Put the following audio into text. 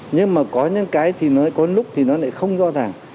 nhưng mà có những cái thì nó có lúc thì nó lại không rõ ràng